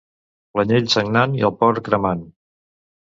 L'anyell sagnant i el porc cremant.